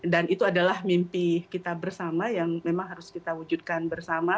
dan itu adalah mimpi kita bersama yang memang harus kita wujudkan bersama